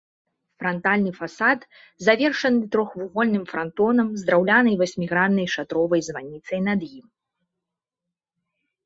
Франтальны фасад завершаны трохвугольным франтонам з драўлянай васьміграннай шатровай званіцай над ім.